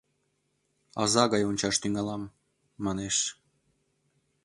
«Аза гай ончаш тӱҥалам», — манеш.